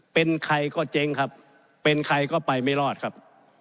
เป็นใครก็เจ๊งครับเป็นใครก็ไปไม่รอดครับ